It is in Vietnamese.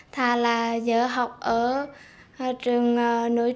thà là giờ học ở trường nội trường